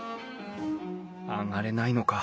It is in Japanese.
上がれないのか。